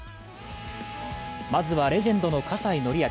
まずはレジェンドの葛西紀明。